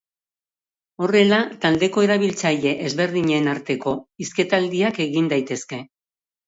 Horrela, taldeko erabiltzaile ezberdinen arteko hizketaldiak egin daitezke.